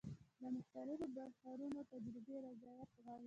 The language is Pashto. د مختلفو بحرونو تجربې ریاضت غواړي.